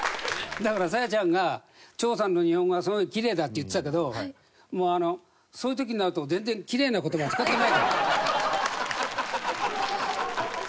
だから沙夜ちゃんが長さんの日本語がすごいキレイだって言ってたけどもうそういう時になると全然キレイな言葉は使ってないから。